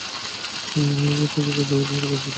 আমরা তাদের পথ অনুসরণ করবো না।